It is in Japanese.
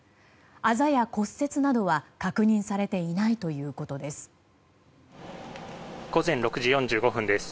あざや骨折などは確認されていないということです。